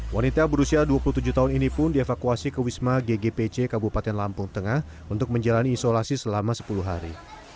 wanita berusia dua puluh tujuh tahun ini pun dievakuasi ke wisma ggpc kabupaten lampung tengah untuk menjalani isolasi selama sepuluh hari